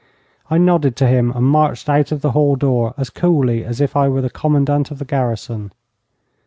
I nodded to him and marched out of the hall door as coolly as if I were the commandant of the garrison.